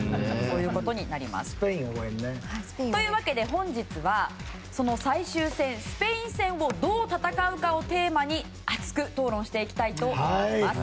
本日は最終戦、スペイン戦をどう戦うかをテーマに、熱く討論していきたいと思います。